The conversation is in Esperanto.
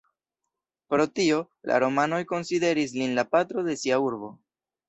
Pro tio, la romanoj konsideris lin la patro de sia urbo.